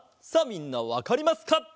さあみんなわかりますか？